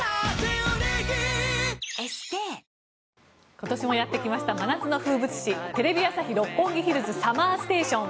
今年もやってきました真夏の風物詩テレビ朝日・六本木ヒルズＳＵＭＭＥＲＳＴＡＴＩＯＮ。